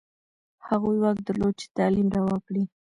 هغوی واک درلود چې تعلیم روا کړي.